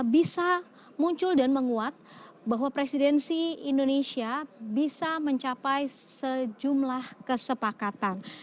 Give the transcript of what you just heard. bisa muncul dan menguat bahwa presidensi indonesia bisa mencapai sejumlah kesepakatan